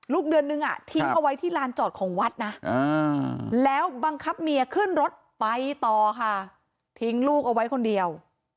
เดือนนึงทิ้งเอาไว้ที่ลานจอดของวัดนะแล้วบังคับเมียขึ้นรถไปต่อค่ะทิ้งลูกเอาไว้คนเดียว